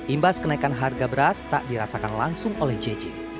imbas kenaikan harga beras tak dirasakan langsung oleh jj